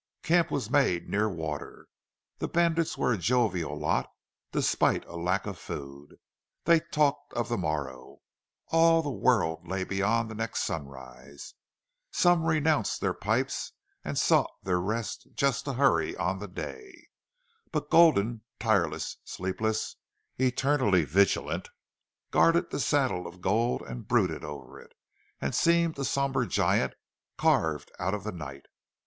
Camp was made near water. The bandits were a jovial lot, despite a lack of food. They talked of the morrow. All the world lay beyond the next sunrise. Some renounced their pipes and sought their rest just to hurry on the day. But Gulden, tireless, sleepless, eternally vigilant, guarded the saddle of gold and brooded over it, and seemed a somber giant carved out of the night.